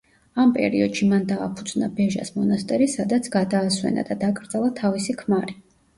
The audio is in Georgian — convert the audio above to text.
ამ პერიოდში მან დააფუძნა ბეჟას მონასტერი, სადაც გადაასვენა და დაკრძალა თავისი ქმარი.